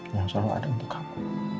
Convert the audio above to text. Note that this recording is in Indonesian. yang selalu ada untuk aku